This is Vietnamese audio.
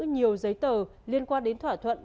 nhiều giấy tờ liên quan đến thỏa thuận